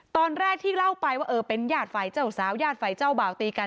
ตอนแรกที่เล่าไปว่าเออเป็นญาติฝ่ายเจ้าสาวญาติฝ่ายเจ้าบ่าวตีกัน